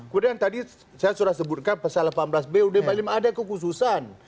kemudian tadi saya sudah sebutkan pasal delapan belas bud empat puluh lima ada kekhususan